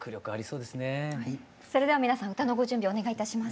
それでは皆さん歌のご準備お願いいたします。